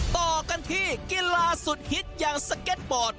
ต่อกันที่กีฬาสุดฮิตอย่างสเก็ตบอร์ด